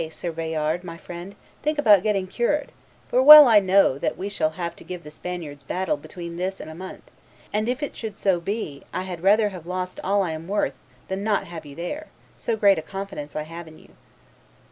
Sir Bayard, my friend, think about getting cured, for well I know that we shall have to give the Spaniards battle between this and a month; and, if so it should be, I had rather have lost all I am worth than not have you there, so great confidence have I in you.